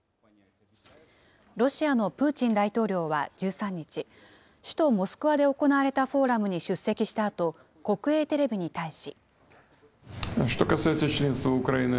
ロシアのプーチン大統領は１３日、首都モスクワで行われたフォーラムに出席したあと国営テレビに対し。